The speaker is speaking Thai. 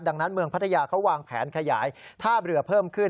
ดังนั้นเมืองพัทยาเขาวางแผนขยายท่าเรือเพิ่มขึ้น